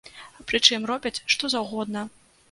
Прычым, робяць што заўгодна.